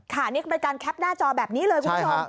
นี่คือบริการแคปหน้าจอแบบนี้เลยคุณผู้ชม